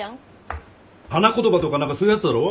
花言葉とか何かそういうやつだろ？